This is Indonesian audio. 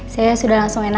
saya sudah langsung enakan bu